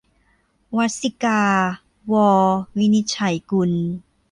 วัสสิกา - ว วินิจฉัยกุล